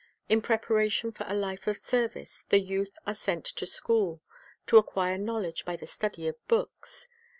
In prepa ration for a life of service the youth are sent to school, to acquire knowledge by the study of books.